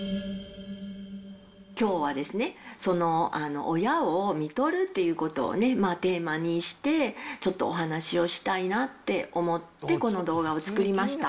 きょうはですね、親をみとるっていうことをね、テーマにして、ちょっとお話をしたいなって思って、この動画を作りました。